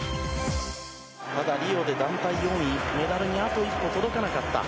まだリオで団体４位メダルにあと一歩届かなかった。